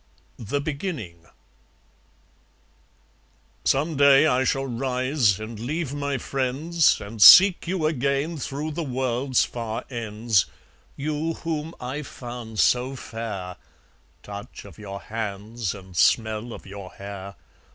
The Beginning Some day I shall rise and leave my friends And seek you again through the world's far ends, You whom I found so fair (Touch of your hands and smell of your hair!)